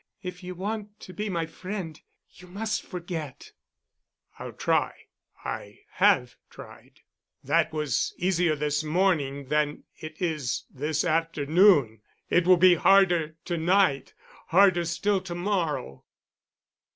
"If you want to be my friend you must forget." "I'll try. I have tried. That was easier this morning than it is this afternoon. It will be harder to night—harder still to morrow."